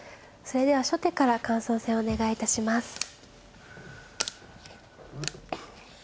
それでは初手から感想戦お願い致します。